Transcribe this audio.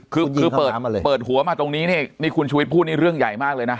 คือเปิดหัวมาตรงนี้นี่คุณชุวิตพูดนี่เรื่องใหญ่มากเลยนะ